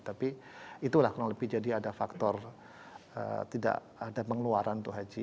tapi itulah kurang lebih jadi ada faktor tidak ada pengeluaran untuk haji